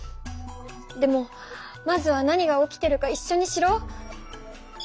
でもまずは何が起きてるかいっしょに知ろう。